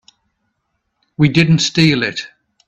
We didn't steal it.